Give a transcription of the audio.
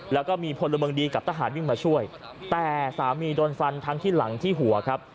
แล้วก็มีพลเมืองดีกับทหารวิ่งมาช่วยแต่สามีโดนฟันทั้งที่หลังที่หัวครับ